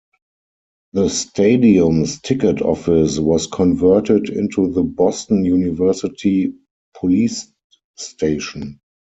The stadium's ticket office was converted into the Boston University police station.